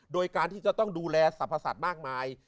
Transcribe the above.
โดยการที่จะต้องดูแลสรรพสัตว์มากมาย